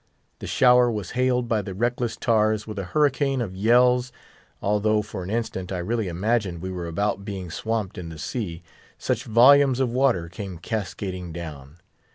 The shower was hailed by the reckless tars with a hurricane of yells; although, for an instant, I really imagined we were about being swamped in the sea, such volumes of water came cascading down.